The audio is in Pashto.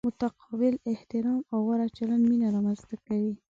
متقابل احترام او غوره چلند مینه را منځ ته کوي.